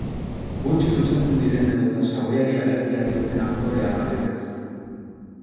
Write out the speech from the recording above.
Gutxi dutxatzen diren edota xaboiari alergia dioten aktoreak adibidez.